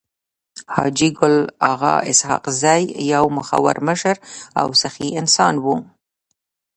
حاجي ګل اغا اسحق زی يو مخور مشر او سخي انسان وو.